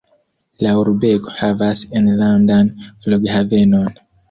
La urbego havas enlandan flughavenon.